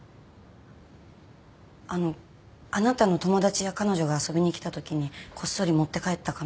あのあなたの友達や彼女が遊びに来たときにこっそり持って帰った可能性は。